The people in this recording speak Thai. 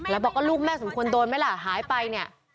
แล้วบอกว่าลูกแม่สมควรโดนไหมล่ะหายไปเนี่ย